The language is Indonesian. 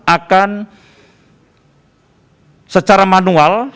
akan secara manual